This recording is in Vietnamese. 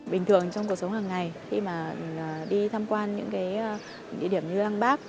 bình thường trong cuộc sống hàng ngày khi mà đi tham quan những cái địa điểm như đăng bác